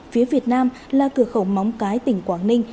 phía việt nam là cửa khẩu móng cái tỉnh quảng ninh